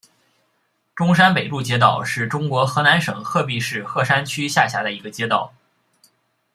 中山北路街道是中国河南省鹤壁市鹤山区下辖的一个街道。